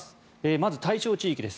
まず対象地域です。